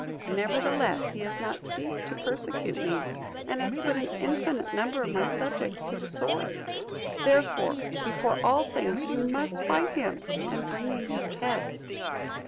Nevertheless, he has not ceased to persecute me, and has put an infinite number of my subjects to the sword: therefore, before all other things you must fight him, and bring me his head."